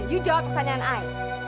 you jawab pertanyaan ayah